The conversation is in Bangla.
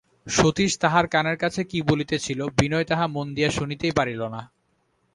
সতীশ তাহার কানের কাছে কী বলিতেছিল, বিনয় তাহা মন দিয়া শুনিতেই পারিল না।